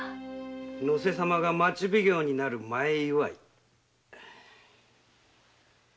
能勢様が町奉行になる前祝い。